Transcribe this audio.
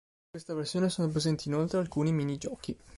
In questa versione sono presenti inoltre alcuni minigiochi.